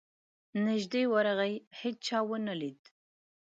نیژدې ورغی هېچا ونه لید.